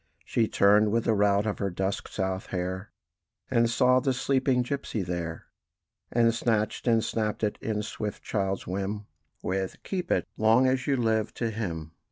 She turned, with the rout of her dusk South hair, And saw the sleeping gipsy there; And snatched and snapped it in swift child's whim, With "Keep it, long as you live!" to him.